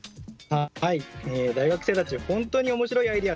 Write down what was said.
大学生たち本当におもしろいアイデア